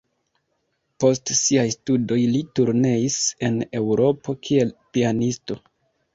Post siaj studoj li turneis en Eŭropo kiel pianisto.